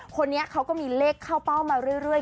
คนนี้เขาก็มีเลขเข้าเป้ามาเรื่อย